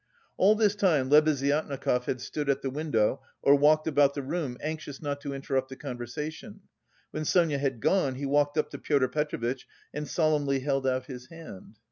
All this time Lebeziatnikov had stood at the window or walked about the room, anxious not to interrupt the conversation; when Sonia had gone he walked up to Pyotr Petrovitch and solemnly held out his hand.